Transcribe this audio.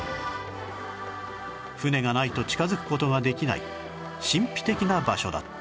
船がないと近づく事ができない神秘的な場所だった